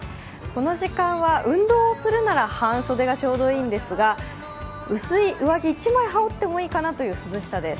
この時間は運動をするなら半袖がちょうどいいんですが、薄い上着一枚羽織ってもいいかなという涼しさです。